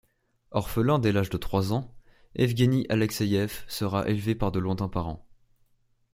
Orphelin dès l'âge de trois ans Evgeni Alexeïev sera élevé par de lointains parents.